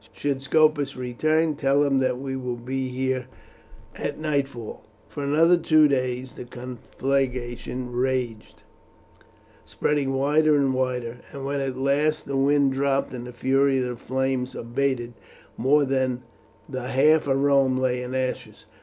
"Should Scopus return, tell him that we will be here at nightfall." For another two days the conflagration raged, spreading wider and wider, and when at last the wind dropped and the fury of the flames abated, more than the half of Rome lay in ashes.